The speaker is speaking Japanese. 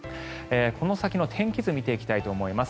この先の天気図見ていきたいと思います。